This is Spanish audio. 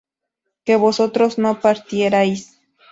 que vosotros no partierais